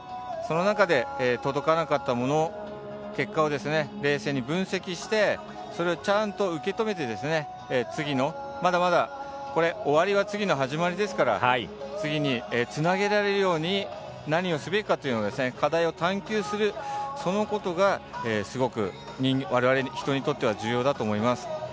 その中で届かなかったもの、結果を冷静に分析してちゃんと受け止めてまだまだ終わりは次の始まりですから次につなげられるように何をすべきか課題を探求するそのことがすごく我々にとっては重要だと思います。